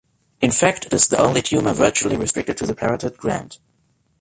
In fact, it is the only tumor virtually restricted to the parotid gland.